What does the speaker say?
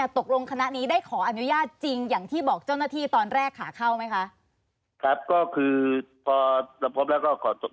ตกลงคณะนี้ได้ขออนุญาตจริงอย่างที่บอกเจ้าหน้าที่ตอนแรกขาเข้าไหมคะ